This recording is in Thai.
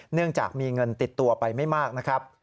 เนื่องจากมีเงินติดตัวไปไม่มากนะครับ